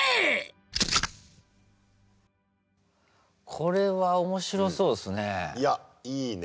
これは面白そうっすね。